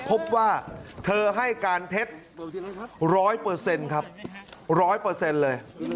พบว่าเธอให้การเท็จร้อยเปอร์เซ็นต์ครับร้อยเปอร์เซ็นต์เลย